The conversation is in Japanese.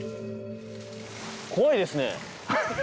怖いですね。